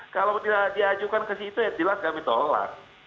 kalau tidak diajukan ke situ ya jelas kami tolak